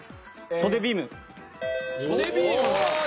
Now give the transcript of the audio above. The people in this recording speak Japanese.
袖ビーム！